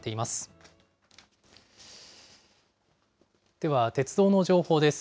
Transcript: では、鉄道の情報です。